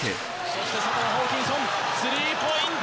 そして外のホーキンソンスリーポイント！